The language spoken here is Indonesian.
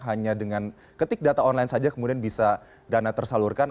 hanya dengan ketik data online saja kemudian bisa dana tersalurkan